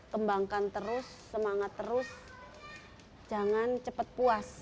kembangkan terus semangat terus jangan cepat puas